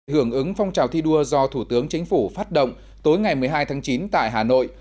hưởng ứng phong trào thi đua do thủ tướng chính phủ phát động tối ngày một mươi hai tháng chín tại hà nội